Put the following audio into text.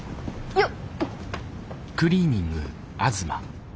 よっ。